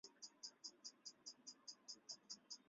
殿试登进士第三甲第一百五十名。